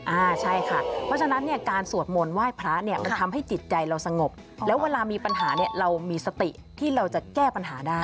อ่าใช่ค่ะเพราะฉะนั้นเนี่ยการสวดมนต์ไหว้พระเนี่ยมันทำให้จิตใจเราสงบแล้วเวลามีปัญหาเนี่ยเรามีสติที่เราจะแก้ปัญหาได้